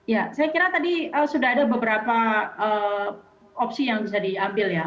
ya saya kira tadi sudah ada beberapa opsi yang bisa diambil ya